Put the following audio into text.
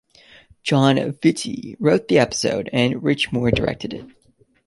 Jon Vitti wrote the episode and Rich Moore directed it.